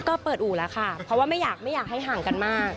ก็เปิดอู่แล้วค่ะเพราะว่าไม่อยากให้ห่างกันมาก